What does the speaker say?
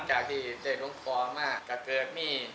พระพุทธพิบูรณ์ท่านาภิรม